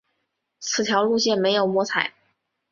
此条路线没有摸彩